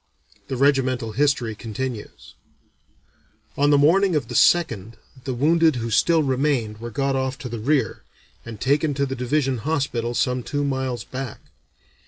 The regimental history continues: "On the morning of the 2nd the wounded who still remained were got off to the rear, and taken to the Division Hospital some two miles back.